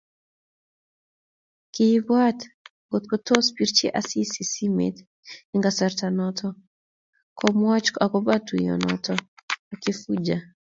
Kiibwat ngotko tos birchi Asisi simet eng kasarato komwoch agobo tuiyonotonyi ak Kifuja